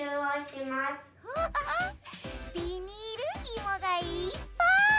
わあビニールひもがいっぱい！